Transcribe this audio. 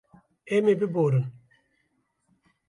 Em ê biborin.